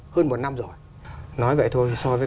hơn một năm rồi nói vậy thôi so với